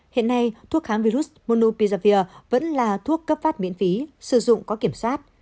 hiện nay thuốc kháng virus monopizavir vẫn là thuốc cấp phát miễn phí sử dụng có kiểm soát